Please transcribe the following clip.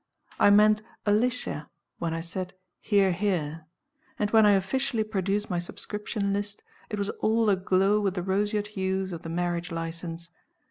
I meant "Alicia" when I said "hear, hear" and when I officially produced my subscription list, it was all aglow with the roseate hues of the marriage license.